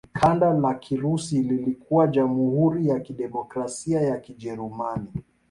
Kanda la Kirusi lilikuwa Jamhuri ya Kidemokrasia ya Kijerumani.